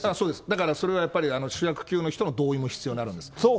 だからそれは、主役級の人の同意も必要になるんです。